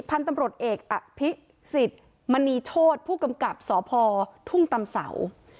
พันธุ์ตำรวจเอกอภิษฎมณีโชธผู้กำกับสพทุ่งตำเสา